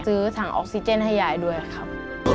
ซื้อถังออกซิเจนให้ยายด้วยครับ